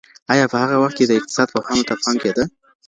ایا په هغه وخت کي د اقتصاد پوهانو ته پام کيده؟